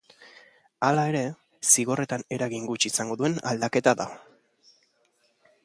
Hala ere, zigorretan eragin gutxi izango duen aldaketa da.